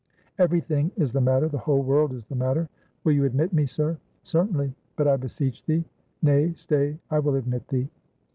"Every thing is the matter; the whole world is the matter. Will you admit me, sir?" "Certainly but I beseech thee nay, stay, I will admit thee."